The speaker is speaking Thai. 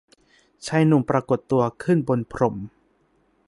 ชายหนุ่มปรากฏตัวขึ้นบนพรม